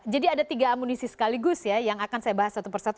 jadi ada tiga amunisi sekaligus ya yang akan saya bahas satu persatu